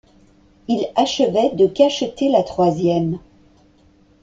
Il achevait de cacheter la troisième.